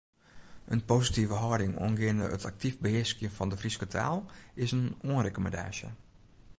In positive hâlding oangeande it aktyf behearskjen fan de Fryske taal is in oanrekommandaasje.